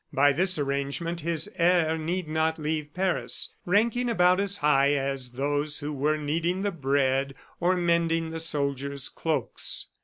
By this arrangement, his heir need not leave Paris, ranking about as high as those who were kneading the bread or mending the soldiers' cloaks.